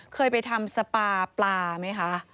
เคยไปทำสปาปลาไหมคะ